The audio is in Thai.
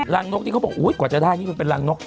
นกนี่เขาบอกอุ๊ยกกว่าจะได้นี่มันเป็นรังนก